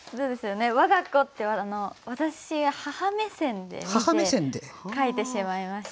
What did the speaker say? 「わが子」って私母目線で見て書いてしまいました。